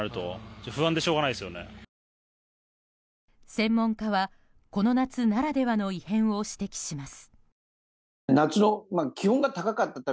専門家は、この夏ならではの異変を指摘します。